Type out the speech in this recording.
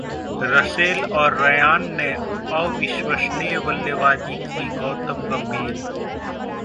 Russell और Ryan ने अविश्वसनीय बल्लेबाजी की: गौतम गंभीर